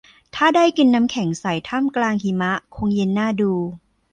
ถ้าได้กินน้ำแข็งใสท่ามกลางหิมะคงเย็นน่าดู